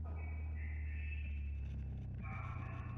আমার পাওনা শাস্তিটা গেল তাঁর উপর দিয়েই।